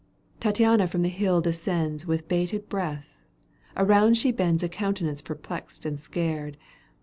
Tattiana from the hill descends With bated breath, around she bends A countenance perplexed and scared.